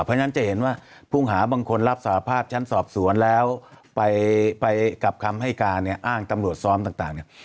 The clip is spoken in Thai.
เพราะฉะนั้นจะเห็นว่าผู้หาบางคนรับสารภาพชั้นสอบสวนแล้วไปกับคำให้การเนี่ยอ้างตำรวจซ้อมต่างเนี่ย